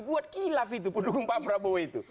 buat kilaf itu pendukung pak prabowo itu